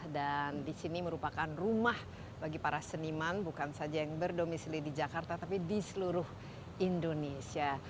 dan disini merupakan rumah bagi para seniman bukan saja yang berdomisili di jakarta tapi di seluruh indonesia